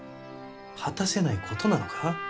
果たせないことなのか？